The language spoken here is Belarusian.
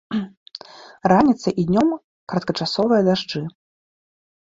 Раніцай і днём кароткачасовыя дажджы.